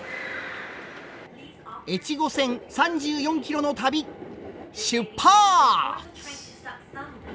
越後線３４キロの旅出発！